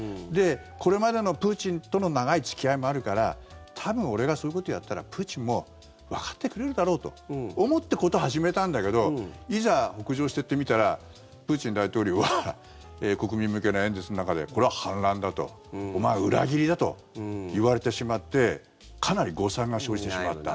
これまでのプーチンとの長い付き合いもあるから多分、俺がそういうことをやったらプーチンもわかってくれるだろうと思って事を始めたんだけどいざ北上していってみたらプーチン大統領は国民向けの演説の中でこれは反乱だとお前は裏切りだと言われてしまってかなり誤算が生じてしまった。